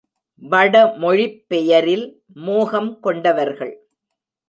வடமொழிப் பெயரில் மோகம் கொண்டவர்கள்.